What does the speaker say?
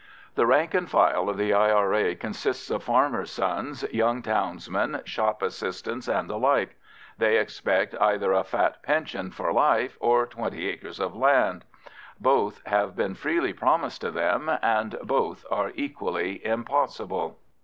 The rank and file of the I.R.A. consists of farmers' sons, young townsmen, shop assistants, and the like; they expect either a fat pension for life or twenty acres of land. Both have been freely promised to them, and both are equally impossible.